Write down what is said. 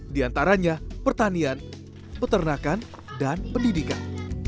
di antaranya pertanian peternakan dan pendidikan